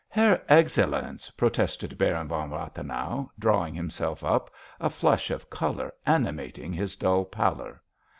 "Herr Excellenz!" protested Baron von Rathenau, drawing himself up, a flush of colour animating his dull pallor.